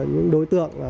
những đối tượng